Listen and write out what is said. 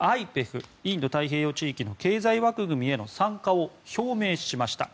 ・インド太平洋地域の経済枠組みへの参加を表明しました。